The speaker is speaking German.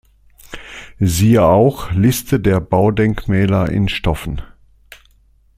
Siehe auch: Liste der Baudenkmäler in Stoffen